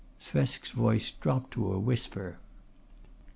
Thresk's voice dropped to a whisper.